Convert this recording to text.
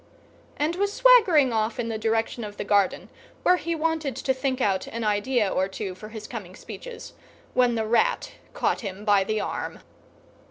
and was swaggering off in the direction of the garden, where he wanted to think out an idea or two for his coming speeches, when the Rat caught him by the arm.